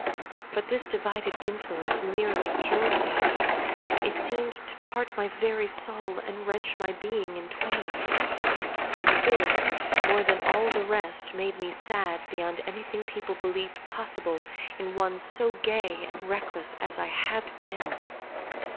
But this divided influence nearly killed me ; it seemed to part my very soul and wrench my being in twain ; and this more than all the rest, made me sad beyond anything people believed possible in one so gay and reckless as I had been.